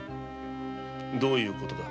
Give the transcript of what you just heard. どういう事だ？